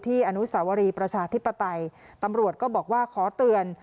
อนุสาวรีประชาธิปไตยตำรวจก็บอกว่าขอเตือน